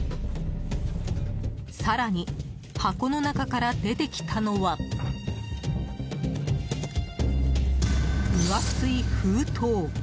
更に、箱の中から出てきたのは分厚い封筒。